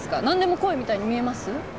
何でも来いみたいに見えます？